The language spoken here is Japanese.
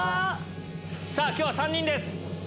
今日は３人です。